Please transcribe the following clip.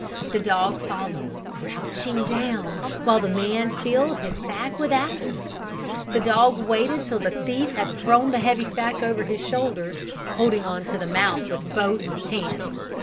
The dog followed, crouching down while the man filled his sack with apples. The dog waited till the thief had thrown the heavy sack over his shoulders, holding on to the mouth with both hands.